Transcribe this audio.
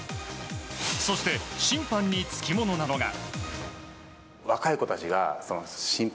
そして、審判につきものなのが。